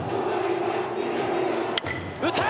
打った！